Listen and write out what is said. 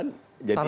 nah itu kan